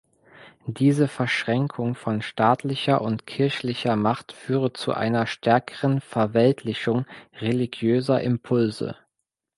Diese Verschränkung von staatlicher und kirchlicher Macht führe zu einer stärkeren Verweltlichung religiöser Impulse.